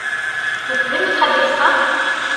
Vous pouvez me traduire ça ?